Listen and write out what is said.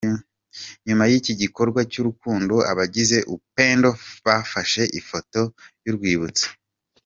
Nyuma y'iki gikorwa cy'urukundo abagize Upendo bafashe ifoto y'urwibutso.